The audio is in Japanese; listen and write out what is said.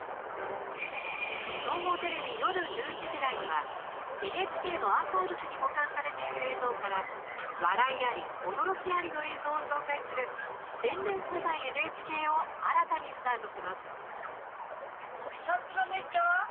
総合テレビ夜１１時台にはＮＨＫのアーカイブスに保管されている映像から笑いあり驚きありの映像を紹介する「天然素材ＮＨＫ」を新たにスタートします。